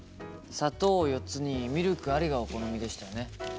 砂糖４つにミルクありがお好みでしたよね？